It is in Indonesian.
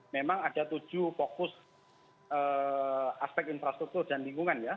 memang ada tujuh fokus aspek infrastruktur dan lingkungan ya